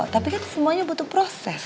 tapi kan semuanya butuh proses